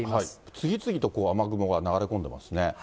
次々と雨雲が流れ込んでますね。